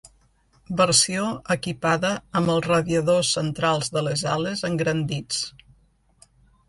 Versió equipada amb els radiadors centrals de les ales engrandits.